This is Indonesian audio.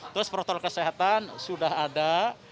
terus protokol kesehatan sudah ada